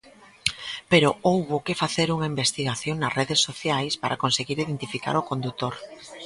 Pero houbo que facer unha investigación nas redes sociais para conseguir identificar o condutor.